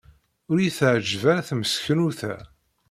Ur iyi-teɛjib ara temseknewt-a.